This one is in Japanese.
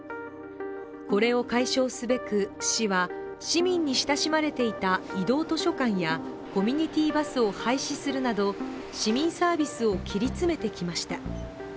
それを解消すべく市は市民に親しまれていた移動図書館やコミュニティーバスを廃止するなど市民サービスを切り詰めてきました。